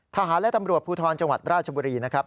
ทหารและตำรวจภูทรจังหวัดราชบุรีนะครับ